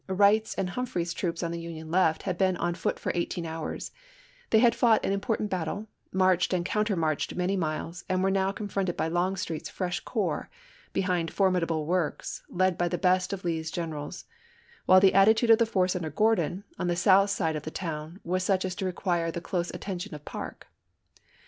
Wright's and Humphreys's troops on the Union left had been on foot for eighteen hours ; they had fought an im portant battle, marched and countermarched many miles, and were now confronted by Longstreet's fresh corps, behind formidable works, led by the best of Lee's generals; while the attitude of the force under Gordon, on the south side of the town, was such as to require the close attention of Parke.